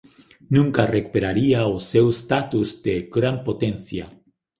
Nunca recuperaría o seu status de gran potencia.